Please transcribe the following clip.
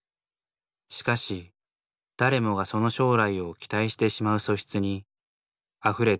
しかし誰もがその将来を期待してしまう素質にあふれていた。